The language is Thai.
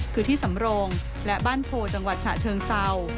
คือที่สำโรงและบ้านโพจังหวัดฉะเชิงเศร้า